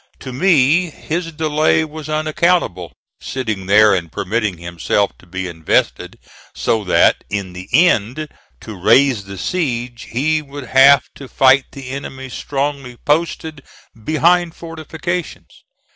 To me his delay was unaccountable sitting there and permitting himself to be invested, so that, in the end, to raise the siege he would have to fight the enemy strongly posted behind fortifications.